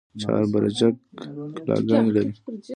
چهار برجک کلاګانې لري؟